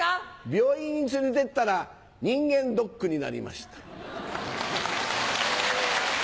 病院に連れてったら人間ドックになりました。